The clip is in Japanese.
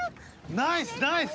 ナイスナイス